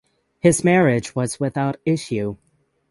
His marriage was without issue.